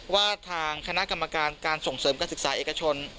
ว่าทางคณะกรรมการการส่งเสริมการศึกษาเอกชน